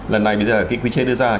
lần này bây giờ là cái quy chế đưa ra là